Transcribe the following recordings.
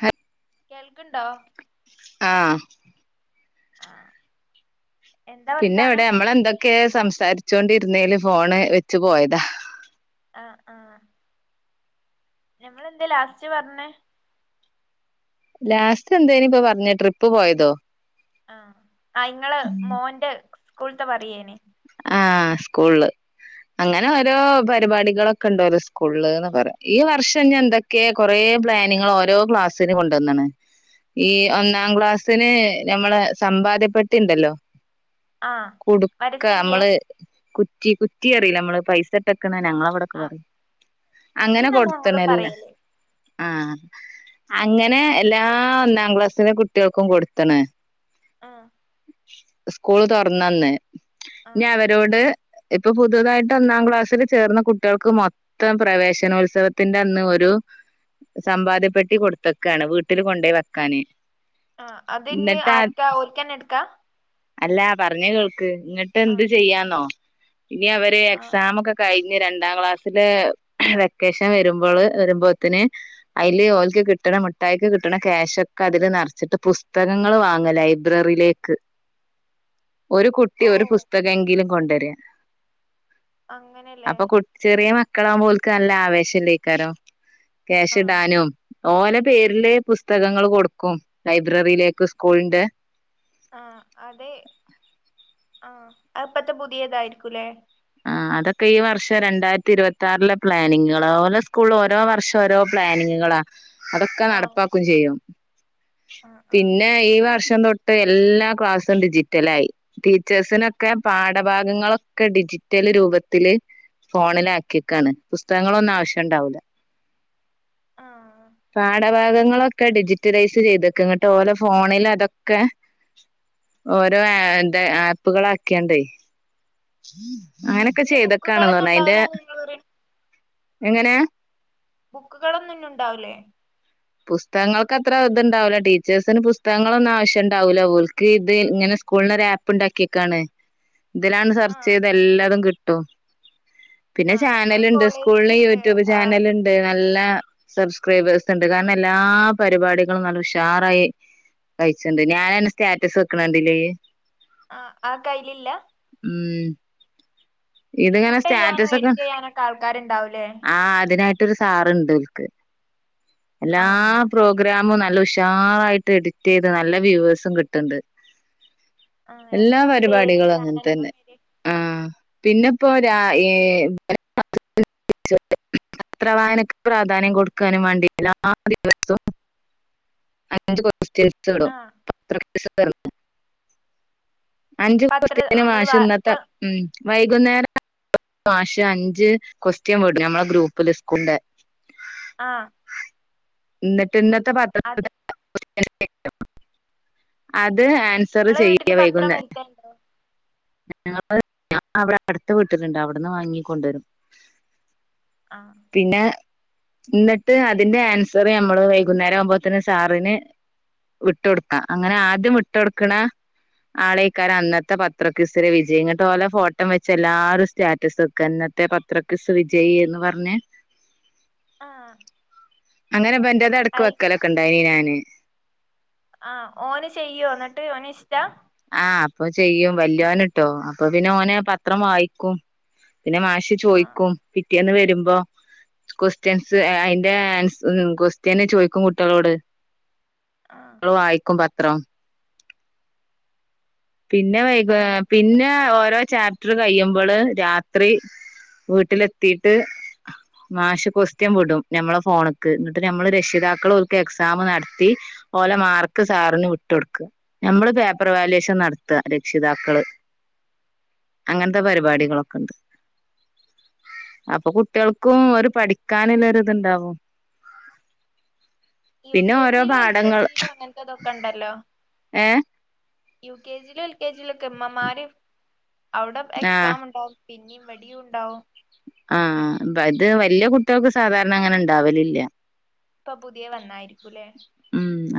ഹ കേൾക്ണ്ടോ ആഹ് ആഹ് എന്താ പിന്നെ വർത്താനം എവടെ മ്മളെന്തൊക്കെ സംസാരിച്ചോണ്ടിരുന്നേല് ഫോണ് വെച്ച് പോയതാ ആഹ് ആഹ് ഞമ്മളെന്താ ലാസ്റ്റ് പറഞ്ഞേ ലാസ്റ്റ് എന്തേന് ഇപ്പൊ പറഞ്ഞേ ട്രിപ്പ് പോയതോ ആ ആ ഇങ്ങള് മോന്റെ സ്കൂളത്തെ പറയേന് ആഹ് സ്കൂളിള് അങ്ങനെ ഓരോ പരിപാടികളൊ ക്കെ ഇണ്ടോലോ സ്കൂള്ന്ന് പറയാ ഈ വർഷം ഞി എന്തൊക്കെയെ കൊറെ പ്ലാനിങ്ങള് ഓരോ ക്ലാസ്സിന് കൊണ്ടന്ന്ണ് ഈ ഒന്നാം ക്ലാസിന് ഞമ്മള സമ്പാദ്യപ്പെട്ടിണ്ടല്ലോ ആഹ് കുടുക്ക വരിസംഖ്യെ നമ്മള് കുറ്റി കുറ്റി അറിയില്ലേ മ്മള് പൈസ ഇട്ടക്കണ ഞങ്ങളവ ടക്ക് ആഹ് പറയും അങ്ങനെ ഉറ്റീന്നന്നെ കൊടുത്തണ് ഞങ്ങളും എല്ലാ പറയല് ആഹ് അങ്ങനെ എല്ലാ ഒന്നാം ക്ലാസ്സിലെ കുട്ട്യോൾക്കും കൊടുത്തണ് ആഹ് സ്കൂള് തൊറന്നന്ന് ഇനി ആഹ് അവരോട് ഇപ്പൊ പുതുതായിട്ട് ഒന്നാം ക്ലാസ്സില് ചേർന്ന കുട്ട്യോൾക്ക് മൊ ത്തം പ്രവേശനോത്സവത്തിന്റെ അന്ന് ഒരു സമ്പാദ്യപ്പെട്ടി കൊടുത്ത്ക്കാണ് വീട്ടില് കൊണ്ടോയി വെക്കാന് ആഹ് അതിനി എന്നിട്ടാ ആർക്കാ ഓൽക്കെന്നെ ഇടുക്കാ അല്ല പറഞ്ഞ കേൾക്ക് ഇങ്ങിട്ട് എന്ത് ആഹ് ചെയ്യാന്നോ ഇനി അവര് ആഹ് എക്സാം ഒക്കെ കഴിഞ്ഞ രണ്ടാം ക്ലാസ്സില് വെക്കേഷൻ വരുമ്പോള് വരുമ്പോത്തിന് അയ്യില് ഓല്ക്ക് കിട്ടണ മുട്ടായിക്ക് കിട്ടണ ക്യാഷ് ഒക്കെ അതില് നീറച്ചിട്ട് പുസ്തകങ്ങള് വാങ്ങലായി. ബ്രറിയിലേക്ക് ഒരു കുട്ടി ഒരു ഓഹ് പുസ്തകം എങ്കിലും കൊണ്ടുവരിക അങ്ങനെല്ലേ അപ്പൊ കു ചെറിയ മക്കളാവുമ്പോ ഒൽക്ക് നല്ല ആവേശം ഇണ്ടേയിക്കാരോ ക്യാഷ് ആഹ് ഇടാനും ഓല പേരില് പുസ്തകങ്ങള് കൊടുക്കും ലൈബ്രറിയിലേക്ക് സ്കൂളിന്റെ ആഹ് അതെ ആഹ് അപ്പത്തെ പുതിയതായിരിക്കൂല്ലേ ആ അതൊക്കെ ഈ വർഷം രണ്ടായിരത്തി ഇരുപത്തി ആറിലെ പ്ലാനിങ്ങുകളാ അതുപോലെ സ്കൂള ഓരോ വർഷം ഓരോ പ്ലാനിങ്ങുകളാ. അതൊക്കെ ആഹ് നടപ്പാക്കും ചെയ്യും ആഹ് ആഹ് പിന്നെ ഈ വർഷം തൊട്ട് ഇപ്പ എല്ലാ ക്ലാസ്സും ഡിജിറ്റലായി ടീച്ചേഴ്സിനൊക്കെ പാഠഭാഗങ്ങളൊക്കെ ഡിജി റ്റല് രൂപത്തില് ഫോണിലാക്കിക്കാണ് പുസ്തകങ്ങളൊന്നും ആവശ്യണ്ടാവൂല്ല. ആഹ് പാടം വിഭാഗങ്ങളൊക്കെ ഡിജിറ്റലൈസ് ചെയ്ത്ക്ക എന്നിട്ട് ഓലെ ഫോണിലതൊക്കെ. ഓരോ എന്താ ആപ്പുകള് ഒക്കെണ്ടേ അങ്ങനെ ഒക്കെ ഇനി ചെയ്യ്തെക്കാണ്ന്ന് ബുക്കുകളൊന്നും പറഞ്ഞ് അയിന്റെ ഉണ്ടാവൂലാന്നാ ഇങ്ങള് പറയണെ എങ്ങനെ ബുക്കുകളൊന്നും ഇന്നുണ്ടാവില്ലേ പുസ്തകങ്ങൾക്ക് അത്ര ഇതുണ്ടാവില്ലോ ടീച്ചേഴ്സിന് പുസ്തകങ്ങൾ ഒന്നും ആവശ്യം ഇണ്ടാവൂല്ല ഓലിക്ക്‌ ഇത് ഇങ്ങനെ സ്കൂളിന് ഒരു ആ പ്പു ഉണ്ടാക്കിയേക്കാണ് ഇതിലാണ് സെർച്ച് ആഹ് ചെയ്യ്താ എല്ലാതും കിട്ടും പിന്നെ ആഹ് ഞങ്ങളെ ചാനലിണ്ട് സ്കൂളിൽ കോളേജിലുണ്ട് യൂട്യൂബ് ആഹ് ചാനല്ണ്ട് നല്ല സബ്സ്ക്രൈബേഴ്സ് ഇണ്ട്. അത് കാരണം എല്ലാ പരിപാടികളും നല്ല ഉഷാറായി കഴിച്ചണ്ട് ഞാനന്ന സ്റ്റാറ്റസ് വെക്കണ കണ്ടില്ലേ ആഹ് ആ കയ്യിലില്ല ഉം ഇത് ഇങ്ങനെ ഷൂട്ട് ചെയ്യാനും സ്റ്റാറ്റസ് ഒക്കെ എഡിറ്റ് ചെയ്യാനൊക്കെ ആൾക്കാരുണ്ടാവൂലേ ആ അതിനായി ട്ട് ഒരു സാറുണ്ട് ഓൽക്ക് എല്ലാ ആഹ് പ്രോഗ്രാമും നല്ല ഉുഷാറായിട്ട് എഡിറ്റ് ചെയ്ത് നല്ല വ്യൂവേഴ്സും കിട്ടണ്ട്. ആഹ് എല്ലാ എന്താ പേര് പരിപാടികളും അങ്ങനെ ചാനലിന്റെ തന്നെ പേര് ആഹ് പിന്നെ ഇപ്പൊ രായി [inaudible] അത്ര വായനക്ക് പ്രാധാന്യം കൊടുക്കാനും വാണ്ടിയിട്ടില്ല ആ ദിവസം അഞ്ച് കൊസ്റ്റിയൻസ് ഇടും ആഹ് [inaudible] അഞ്ച് പത്ര നമ്മള് [inaudible] വാ ഇപ്പ ഇന്നത്തെ ഉം വൈകുന്നേരം [unintelligible] അഞ്ച് ക്വസ്റ്റ്യൻ വിടും ഞമ്മള ഗ്രൂപ്പില് സ്കൂളിന്റെ ആഹ് എന്നിട്ട് ഇന്നത്തെ പ അത് അത് ആൻസർ നിങ്ങളെ ചെയ്യ വീട്ടില് വൈകുന്നെ [unintelligible] ഞങ്ങള് അവിടെ അടുത്ത് വിട്ടിലുണ്ട് അവിടിന്ന് വാങ്ങി കൊണ്ടുവരും. ആഹ് പിന്നെ എന്നിട്ട് അതിന്റെ ആൻസർ നമ്മള് വൈകുന്നേരം ആകുമ്പോത്തന്നെ സാറിന് വിട്ടൊടുക്കാം അങ്ങനെ ആദ്യം വിട്ട് കൊടുക്കണ ആളേക്കാട് അന്നത്തെ പത്ര ക്യുസില് വിജയം പോലെ ഫോട്ടോ വെച്ച് എല്ലാരും സ്റ്റാറ്റസ് വെയ്ക്കും കന്നത്തെ പത്ര ക്കിസ് വിജയി എന്ന് പറ്ഞ്ഞ്. ആഹ്. അങ്ങനെ ഇബന്റേത് എട്ക്ക് അയ് വെക്കലൊക്കെ ഇണ്ടായി ഞാന്. ആഹ് ഓന് ചെയ്യോ ന്ന്ട്ട് ഓന് ഇഷ്ട്ട? ആഹ് അപ്പോ ചെയ്യും വല്യോന്ട്ടോ അപ്പോ പിന്നെ ഓനാ പത്രം വായിക്കും. പിന്നെ മാഷ് ആഹ് ചോയിക്കും പിറ്റേന്ന് വരുമ്പം. ക്വസ്റ്റ്യൻസ് അതിന്റെ ആൻ ക്വസ്റ്റ്യൻ ചോയിക്കും കുട്ടൃളോട്. ആഹ്. ള് വായിക്കും പത്രം. പിന്നെ വൈക അങ്ങനെയൊക്കെയല്ലേ പിന്നെ ഓരോ ചാപ ട്ട് കയ്യുമ്പോള് രാത്രി വീട്ടിലെത്തീട്ട്. മാഷ് കോസ്റ്റീൻ വിടും ഞമ്മളെ ഫോണ് ക് എന്നിട്ട് നമ്മള് രക്ഷിതാക്കള് ആഹ് ഓല്ക്ക് എക്സാം നട്ത്തി. ഓലെ മാർക്ക് സാറിന് വിട്ടുകൊടുക്ക് നമ്മള് പേപ്പർ വാലുവേഷൻ നട് ത്ത രക്ഷിതാക്കള് അങ്ങനത്തെ ആഹ് ആഹ് പരിപാടികളൊക്കെ ഉണ്ട്. അപ്പോ കുട്ടികൾക്കും ഒരു പഠിക്കാനുള്ളരിത്ണ്ടാവും. യു പിന്നെ കെ ഓരോ ജിയിലും എൽ കെ പാഠങ്ങൾ ജിയിലും അങ്ങനത്തെതൊക്കെ ഇണ്ടല്ലോ. ഏ. യു കെ ജിയിലും എൽ കെ ജിയി ഒക്കെ ഉമ്മമാര് അവിടെ ആഹ് എക്സാം ഉണ്ടാവും പിന്നിം ഇവിടേം ഉണ്ടാവും. ആഹ് ഇവര്ത് വല്ലൃ കുട്ടികൾക്ക് സാധാരണ അങ്ങനെ ഉണ്ടാവലില്ല. ഇപ്പോ പുതിയ വന്നായിരിക്കൂലേ?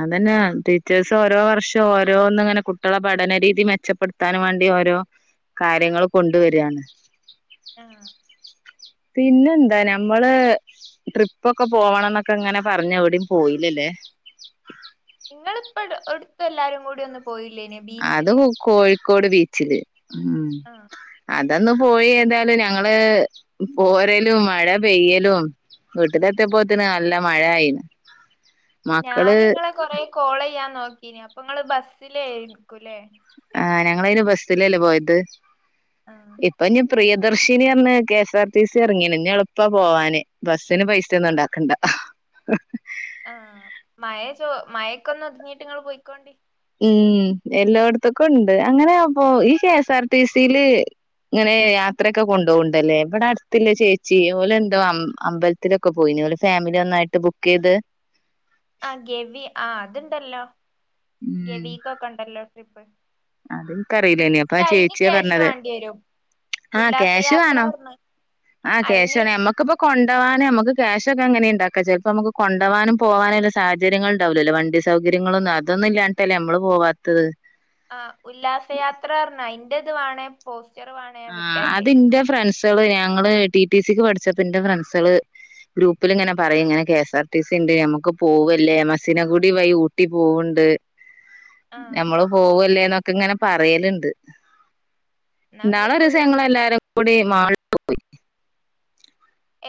അതന്നെയാ ടീച്ചേഴ്സ് ഓരോ വർഷം ഓരോന്ന്ങ്ങനെ കുട്ടികളെ പഠനരീതി മെച്ചപ്പെട്ത്താനും വേണ്ടി ഓരോ കാര്യങ്ങൾ കൊണ്ട് വരാണ്. ആഹ്. പിന്നെന്താ ഞമ്മള്. ട്രിപ്പൊക്കെ പോവണം ന്നൊക്കെ ഇങ്ങനെ പറഞ്ഞ് എവിടയും പോയിലല്ലേ. നിങ്ങള്പ്പട് അട്ത്ത എല്ലാരും കൂടി ഒന്ന് പോയില്ലേന അതും കോഴിക്കോട് ബീച്ചില് ഉം. ആഹ് അതന്ന് പോയി ഏതാലും ഞങ്ങള് പോരലും മഴ പെയ്യലും. വീട്ട്ലെത്തിപ്പോത്തിന് നല്ല മഴ ആയിന്. [inaudible] മക്കള് ഞാൻ ഇങ്ങളെ കൊറെ കോൾയ്യാൻ നോക്കീന് അപ്പൊ നിങ്ങള് ബസ്സില് ആയിരിക്കൂല്ലേ. ആഹ് ഞങ്ങളയിന് ബിസിലല്ലേ പോയത് ആഹ് ഇപ്പഞ് പ്രിയദർശിനി അറ്ഞ്ഞ K S R T C ഇറങ്ങീണ് ഞ് എളുപ്പ പോവാന് ബസ്സിന് പൈസന്നും ഇണ്ടാക്കണ്ട. [unintelligible] ആഹ് മഴ ചോ മഴക്കൊന്ന് ഒതുങ്ങിട്ട് നിങ്ങൾ പൊയിക്കോണ്ടി. ഉം എല്ലോട്ത്ത്ക്കും ഉണ്ട് അങ്ങനെ അപ്പോ ഈ കെഎസ് ആർ ടി സിയില്. ഇങ്ങനെ യാത്രയൊക്കെ കൊണ്ടോവ്ണ്ടല്ലേ ഇവിടെ അടുത്തില്ല ചേച്ചി ഓലെന്തോ അമ്പൽ ത്തിലൊക്കെ പോയിന് ഓലെ ഫാമിലി ഒന്നായിട്ട് ബുക്ക് ചെയ്ത്. ആഹ് ഗവി ആഹ് അത്ണ്ടല്ലോ ഗവീക്കക്കെ ഉണ്ടല്ലോ ട്രിപ്പ്. അത്ൻക്കറീലേനി അപ്പ പക്ഷെ അയിന് ചേച്ചിയ ക്യാഷ് പറഞ്ഞത്. വാണ്ടി വരും ആഹ് ക്യാശ് ഉല്ലാസയാത്ര വേണം പറഞ്ഞ് ആഹ് ക്യാഷ് അയിന് വേണ നമുക്കിപ്പ കൊണ്ടവാനും നമുക്ക് ക്യാഷ്ക്കെ എങ്ങനെണ്ടാക്കാം ചെല്പ്പോ നമുക് കൊണ്ടോവാനും പോകാനല്ല. സാഹചര്യങ്ങള്ണ്ടാവൂലല്ലോ വണ്ടി സൗകര്യങ്ങളൊന്നും അതൊന്നും ഇല്ലാഞിട്ടല്ലേ നമ്മള് പോവാത്തത്. ആഹ് ഉല്ലാസയാത്ര പറ്ഞ്ഞാ അതിന്റത് വാണേ പോസ്റ്റർ വാണേ ഞാൻ ആഹ് വിട്ടരണ്ട് അതിന്റെ ഫ്രണ്ട്സള് ഞങ്ങള് ടി ടി സിക്ക് പഠിച്ചപ്പോ ന്റെ ഫ്രണ്ട്സള്. ഗ്രൂപ്പില്ങ്ങനെ പറയും ഇങ്ങനെ കെ എസ്ആർ ടി സി ഇണ്ട് ഞമുക്ക് പോകല്ലേ മസ്സിനകുടി വഴി ഊട്ടി പോവ്ണ്ട്. [inaudible] നഞമ്മള് പോവല്ലേ എന്നൊക്കെ ഇങ്ങനെ പറയണ് ണ്ട് എന്നാ ഇങ്ങള് ഇന്നാളോരോസങ്ങള പോയോണ്ടി എല്ലാരും കൂടി മാ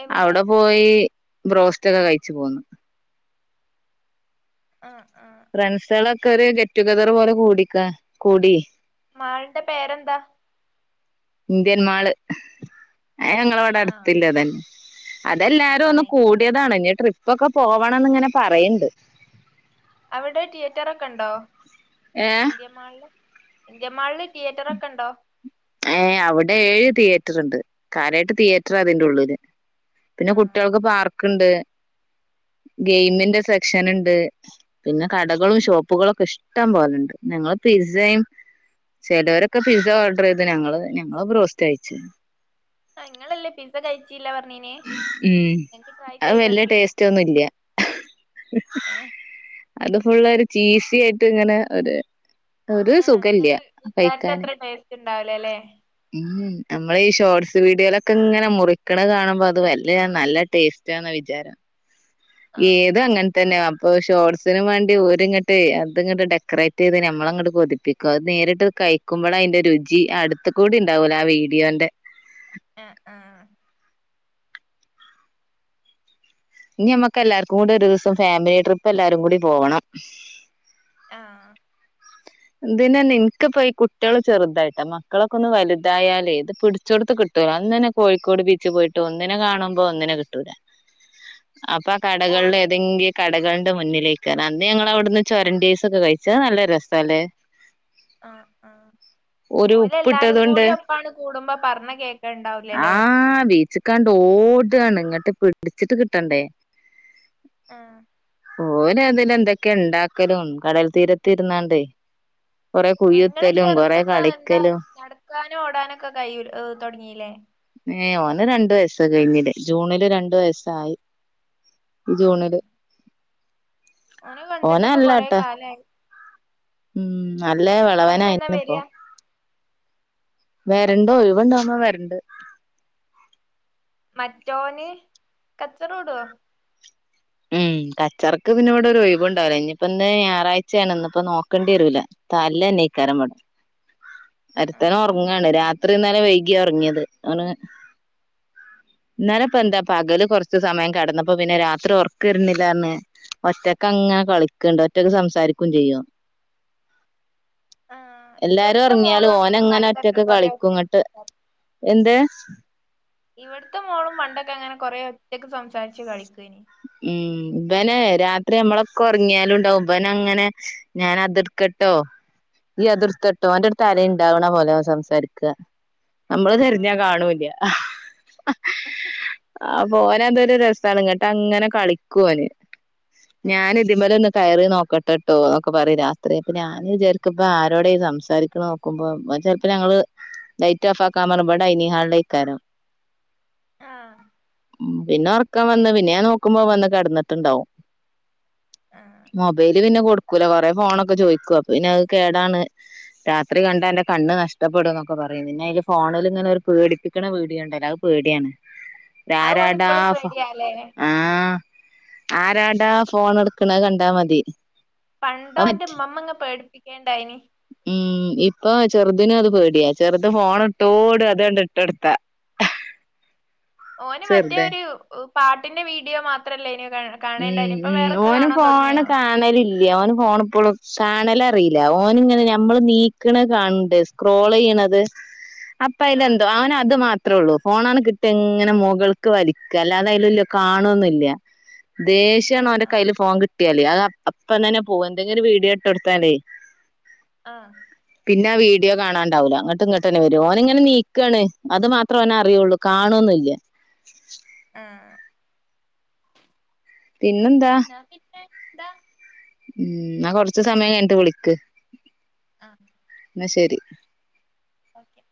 എവിടെ അവിടെ പോയി ബ്രോസ്റ്റ് ഒക്കെ കഴിച്ചു പോന്നു ആഹ് ആഹ് ഫ്രണ്ട്സുകളൊക്കെ ഒരു ഗെറ്റ്റ്റടുഗതർ പോലെ കൂടിക കൂടി മാള്ടെ പേരെന്താ ഇന്ത്യന് മാള് അത് ഞങൾ ഇവിടെ ആഹ് അടുത്തില്ല തെ ആഹ് അതെല്ലാരും ആഹ് ഒന്ന് എനിക്കറിയാം കൂടിയതാണ് ഇനി ട്രിപ്പൊക്കെ പോവണംന്ന് ഇങ്ങനെ പറയെണ്ട് അവിടെ തിയേറ്റർ ഒക്കെ ഉണ്ടോ ഏഹ് ഇന്ത്യൻ മാളിൽ ഇന്ത്യൻ മാളില് തിയേറ്റർ ഒക്കെ ഉണ്ടോ ഏഹ് അവിടെ ഏഴ് തിയേറ്റർ ഉണ്ട് കാര്യായിട്ട് തിയേറ്റർ അതിന്റെറെ ഉള്ളില് പിന്നെ ആഹ് കുട്ടികൾക്ക് പാർക്ക് ഇണ്ട് ഗെയിമിന്റെ സെക്ഷൻ ഇണ്ട് പിന്നെ കടകളും ഷോപ്പുകളുക്കെ ഇഷ്ടം പോലണ്ട് ഞങ്ങള് പിസയും ചിലവരൊക്കെ പിസ്സ ഓർഡർ ചെയ്ത് ഞങ്ങള് ഞങ്ങള് ബ്രോയ്സ്റ് കഴിച്ചേ ആഹ് നിങ്ങളല്ലേ പിസ്സ കഴിച്ചീല്ല പറഞ്ഞീന് ഇങ്ങേക് ട്രൈ ചെയ്ത് നോക്കീടെേ റ്റൊന്നിലാ ഏഹ് അത് ഫുൾ ഒരു ചീസി ആയിട്ട് ഇങ്ങനെ ഒരു ഒരു സുഖില്ല കഴിക്കാന് ഇണ്ടാവലേല്ലെ ഉം നമ്മളേ ഈ ഷോർട്സ് വീഡിയോയിലൊക്കെ ഇങ്ങനെ മുറിക്കണ കാണുമ്പോ അത് വല്ല നല്ല ടേസ് വിചാരം ആഹ് ഏത്ങ്ങന തന്നെയ അപ്പൊ ഷോട്സിനന് വേണ്ടി ഓരി ഇങ്ങോട്ട് അത് ഇങ്ങോട്ട് ഡെക്കറേറ്റ് ചെയ്ത് ഞമ്മളങ്ങട്ട് കൊതിപ്പി അത് നേരിട്ട് കഴിക്കുമ്പോള അതിന്റെ രുചി അടുത്ത കൂടി ഉണ്ടാവൂല ആ വീഡിയോന്റെ അഹ് അഹ് ഇനി നമ്മക്ക് എല്ലാർക്കും കൂടി ഒരു ദിവസം ഫാമിലി ട്രിപ്പ് എല്ലാവാരും കൂടി പോകണം അഹ് എന്തിനാ എനിക്കിപ്പോ ഈ കുട്ടികൾ ചെറുതായിട്ടാ മക്കളൊക്കെ ഒന്ന് വലുതായാലേ ഇത് പിടിചോട്ത് കി ആദ്യം തന്നെ കോഴിക്കോട് ബീച്ച് പോയിട്ട് ഒന്നിനെ കാുമ്പോ ഒന്നിനെ കിട്ട [inaudible] അപ്പൊ കടകളിൽ ഓല് ഏതെങ്കിലും കടകളുടെ മുന്നിലേക്ക് അന്ന് ഞങ്ങൾ അവിടുന്ന് ചൊരണ്ടീഐസ് ഒക്കെ കഴിച്ചാ അത് നല്ല രസ തലേ അഹ് അഹ് ഒരു ഓല് എല്ലാരും ഉപ്പിട്ടതുകൊണ്ട് കൂടി ഒപ്പാണ് കൂടുമ്പോ പറഞ്ഞകേക്കല് ഉണ്ടാവലല്ലേ ക്കാണ്ട് ഓടാണ് ഇങ്ങിട്ട് പിടിച്ചിട്ട് കിട്ടണ്ടേ അഹ് ഓൻ അതില് എന്തൊക്കെയ ഉണ്ടാക്കലും കടൽ തീരത്തിരുന്നാണ്ട് നിങ്ങൾ ചെറുത് കൊറെ ഇപ്പൊ എന്താ കളിക്കലും നടക്കാനോ ഓടാനൊക്കെ കൈ തുടങ്ങില്ലേ ഏയ് ഓന് രണ്ടു വയസ് കഴിഞ്ഞില്ലേ ജൂണില് രണ്ടു വയസ്സായി ജൂണില് ഓനെ ഓന കണ്ടിട്ട് ഇപ്പൊ കൊറേ അല്ലാട്ടാ കലായി ഉം നല്ല നിങ്ങളിഞ്ഞെന്നാ വിളവനായിരുന്ന് ഇപ്പൊ വരിക വരണ്ടോ ഒഴിവണ്ടാവുമ്പോ വരണ്ട് മറ്റോന് കച്ചറോഡോ ഉം കച്ചർക്ക് പിന്നെവിട ഒരു ഒഴിവ് ഉണ്ടാവില്ലോ ഇനിയിപ്പ ഇന്ന് ഞായറാഴ്ചയാണ്ന്നപ്പോ നോക്കേണ്ടി വരൂല്ല തല്ലേ നീക്കാരം മ [inaudible] ഒരുത്തന് ആഹ് ഉറങ്ങാണ് രാത്രിന്നാല വൈകിയ ഉറങ്ങിയത് അവന് ഇന്നാല ഇപ്പ എന്താ പകല് കുറച്ച് സമയം കടന്നപ്പോ പിന്നെ രാത്രി ഓർ ക്ക് വരുന്നില്ല പറഞ് ഒറ്റക്കെ അങ്ങനെ കളിക്കണ്ട് ഒറ്റക്ക് സംസാരിക്കുകയും ചെയ്യും അഹ് എല്ലാരും ഇവിടുത്തെ മോളും ഉറങ്ങിയാലും അങ്ങനെ ഓനങ്ങനെ പണ്ടൊക്കെ ഒറ്റക്ക് കൊറെേ കളിക്കും ഇങ്ങട്ട് എന്തേ.. ഇവട്ത്തെ മോളും പണ്ടൊക്കെ അങ്ങനെ കൊറേ ഒറ്റക്ക് സംസാരിച്ച് കളിക്കേനി മ്മ് ഇവന് രാത്രി നമ്മളൊക്കെ ഉറങ്ങിയാലും ഉണ്ടാവും ഇവൻ അങ്ങനെ ഞാൻ അതിർ ക്കെട്ടോ ഈ അത്ട്ത്തൊട്ടോ ഓന്റട്ത് ആരെൻകി ഇണ്ടാവ്ണ പോലെ ഓൻ സംസാരിക്ക നമ്മള് തെര്ഞ്ഞാ ആഹ് കാണൂല്യ. ആപ്പൊ ഓനതൊരു രസാണ്, ഇങ്ങട് ട്ടങ്ങനെ കളിക്കോന്. ആഹ് ഞാന് തിമലൊന്ന് കയറി നോക്കട്ടെട് ട്ടോന്നൊക്കെ പറയും രാത്രി. അപ്പെ ഞാൻ വിചിരിക്കും ആരോടാ ഈ സംസാരിക്കുണെ നോക്കുമ്പോ ചെലപ്പോ ഞങ്ങള് ലൈറ്റ് ആഫ് ആക്കാൻ പറിമ്പോ ഡയനിങ്ങ് ഹാളിലേക്കാരം ആഹ് ഉം പിന്നെ ഒർക്കം അങ്ങനെ. വന്ന്. പിന്നെ ഞാ നോക്കുമ്പോ വന്ന് കെടന്ന്ട്ട്ണ്ടാവും. ആഹ് മൊബ് ബൈല് പിന്നെ കൊടുക്കൂല. കൊറേ ഫോണൊക്കെ ചോയ്ക്കും. അപ്പൊ പിന്നെ അത് കേടാണ് രാത്രി കണ്ടാ അന്റെ കണ്ണ് നഷ്ടപ്പെടുംന്നൊക്കെ പറയും. പിന്നയില് ഫോണില് ഇങ്ങനെ ഒരു പേടിപ്പി ക്ക്ണ വീഡിയോണ്ടല്ലോ, അത് പേട്യാണ്. അത് ഓന് ഇപ്പളും പേട്യാ ലേ. ആഹ്. ആരാണ്ടാ ഫോണ് ട്ക്ക്ണ ത് കണ്ടാ മതി. പണ്ടവൻ്റെമ്മമ്മ ങ്ങ പേടിപ്പിക്കേണ്ടായിനി. ഉം ഇപ്പൊ ചെറുതിനു അത് പേടിയാ. ചെറുത് ഫോണ് ട്ടോടും അതണ്ട്ട്ടൊട്ത്താ. ഓന് മറ്റേ ചെറുത് ഒരു പാട്ടിന്റെ വീഡിയോ മാത്രല്ലേന്യോ ഉം ഉം ഓന് ഫോണ് കാണലി ല്യ. ഓന്ഫോണ് പ്പളും കാണലറീല. ഓന്ങ്ങനെ നമ്മള് നീക്കണെ കാണ് ണ്ട്. സ്ക്രോളെയ്യ്ണത്. ആഹ് അപ്പയ്ലെന്തോ അവനത് മാത്ര ത്രൊള്ളൂ, ഫോണണ് കിട്ട്യാ ഇങ്ങനെ മുകൾക്ക് വലിക്കാ. അല്ലാതെ അയ്ല് ല്യ കാണൊന്നൂല്യ. ദേഷ്യാണ് ആഹ് ഓന്റെ ആഹ് കയ്യില് ഫോൺ കിട്ടിയാല്. അത് അപ്പം തന്നെ പോകും. എന്തെങ്കിലും ഒരു വീഡിയോ ഇട്ടൊട്ത്താലേയ്. ആഹ്. പിന്നാ വീഡിയോ കാണാണ്ടാവൂല. ന്നട്ട് ഇങ്ങട്ടന്നെ വെരും. ഓനിങ്ങനെ നീക്കാണ്. അത് മാത്രോനറിയൊള്ളൂ. ക്കാണൊന്നുല്ല. ആഹ് പിന്നെന്താ? ന്നാ പിന്നെ ന്താ. ഉം ന്നാ കൊർച്ച് സമയം കഴിഞ്ഞിട്ട് വിളിക്ക്. ആഹ് ന്ന ശരി. ഓക്കെ.